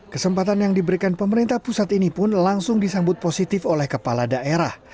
kesempatan yang diberikan pemerintah pusat ini pun langsung disambut positif oleh kepala daerah